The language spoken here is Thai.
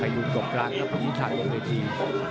ไปหยุดกลบกลางครับอีทัลลงไปดี